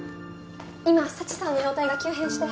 今佐知さんの容体が急変して。